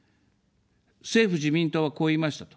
政府・自民党は、こう言いました。